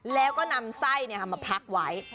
แล้วก็นำไส้มาพักไว้